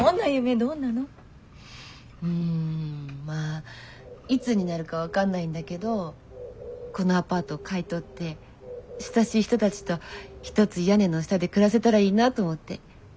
うんまぁいつになるか分かんないんだけどこのアパートを買い取って親しい人たちと一つ屋根の下で暮らせたらいいなぁと思って。